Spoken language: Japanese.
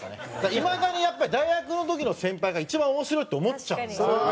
いまだにやっぱり大学の時の先輩が一番面白いって思っちゃうんですね。